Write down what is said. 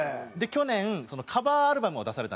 去年カバーアルバムを出されたんですよ